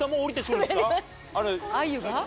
あゆが？